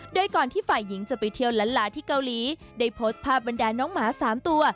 โดยก่อนที่ฝ่ายหญิงจะไปเที่ยวล้านลาที่เกาหลีได้โพสต์ภาพบรรดาน้องหมา๓ตัว